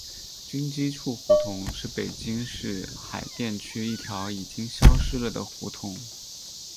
军机处胡同是北京市海淀区一条已经消失了的胡同。